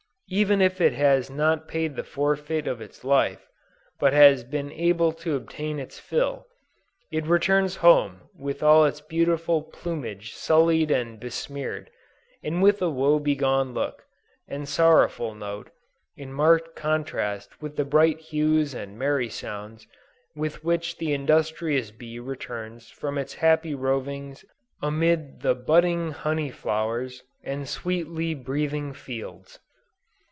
Even if it has not paid the forfeit of its life, but has been able to obtain its fill, it returns home with all its beautiful plumage sullied and besmeared, and with a woe begone look, and sorrowful note, in marked contrast with the bright hues and merry sounds with which the industrious bee returns from its happy rovings amid "the budding honey flowers, and sweetly breathing fields."